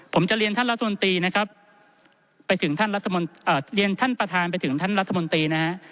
ผมจะเรียนท่านประธานไปถึงท่านรัฐมนตรีนะครับ